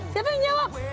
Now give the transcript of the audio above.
siapa yang jawab